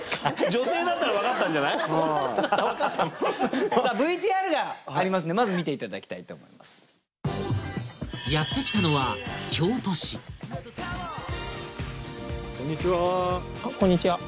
女性だったら分かったんじゃないはいさあＶＴＲがありますんでまず見ていただきたいと思いますやってきたのは京都市こんにちは